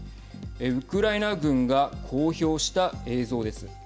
ウクライナ軍が公表した映像です。